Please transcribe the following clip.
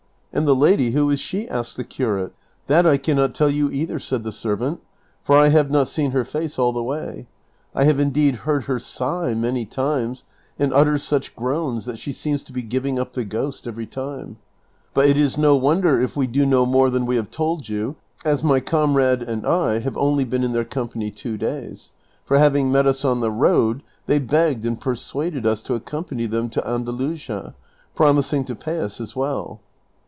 " And the lady, who is she ?" asked the curate. " That I can not tell you either," said the servant, " for I have not seen her face all the way : I have indeed heard her sigh many times and utter such groans that she seems to be giving up the ghost every time : but it is no wonder if we do know more than we have told you, as my comrade and I have only been in their company two days, for having met us on the road they begged and persuaded us to accompany them to Andalusia, promising to pay us well."